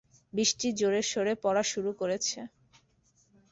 বৃষ্টি জোরেসোরে পড়া শুরু করেছে।